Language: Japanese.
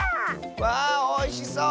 わおいしそう！